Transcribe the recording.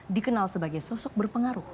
dikenal sebagai sosok berpengaruh